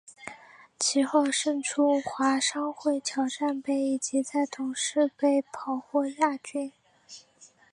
其后胜出华商会挑战杯以及在董事杯跑获亚军。